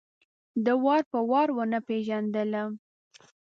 ده وار په وار ونه پېژندلم.